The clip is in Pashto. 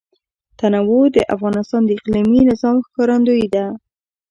تنوع د افغانستان د اقلیمي نظام ښکارندوی ده.